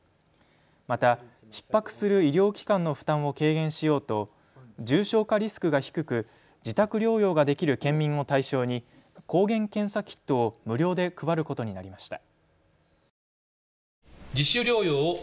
また、ひっ迫する医療機関の負担を軽減しようと重症化リスクが低く自宅療養ができる県民を対象に抗原検査キットを無料で配ることになりました。